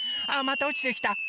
あっまたおちてきた！